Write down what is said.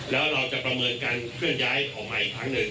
แล้วเราจะประเมินการเคลื่อนย้ายออกมาอีกครั้งหนึ่ง